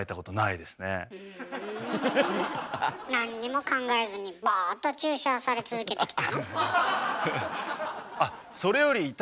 なんにも考えずにボーっと注射され続けてきたの？